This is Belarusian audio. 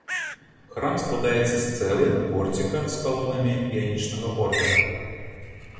Храм складаецца з цэлы, порціка з калонамі іанічнага ордара.